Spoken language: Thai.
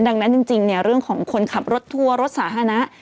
ดังนั้นจริงเนี่ยเรื่องของคนขับรถทัวร์รถสาธารณะ